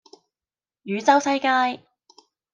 汝州西街